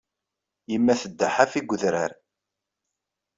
Yemma tedda ḥafi deg wedrar.